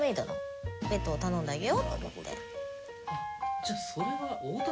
じゃあそれは。